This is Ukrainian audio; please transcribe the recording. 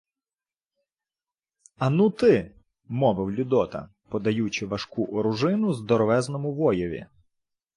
— Ану, ти, — мовив Людота, подаючи важку оружину здоровезному воєві.